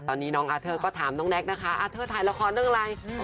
ตอนนี้น้องอาร์เทอร์ก็ถามน้องแน็กนะคะอาเทอร์ถ่ายละครเรื่องอะไร